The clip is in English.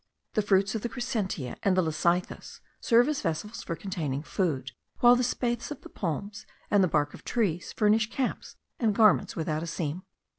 The fruits of the crescentia and the lecythis serve as vessels for containing food, while the spathes of the palms, and the bark of trees, furnish caps and garments without a seam.